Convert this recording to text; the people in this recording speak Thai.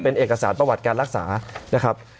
เป็นเอกสารประวัติการรักษานะครับ